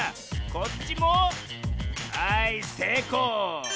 こっちもはいせいこう！